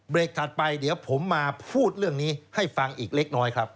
ถัดไปเดี๋ยวผมมาพูดเรื่องนี้ให้ฟังอีกเล็กน้อยครับ